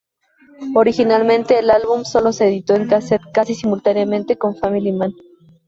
Originalmente el álbum solo se editó en casete, casi simultáneamente con Family Man.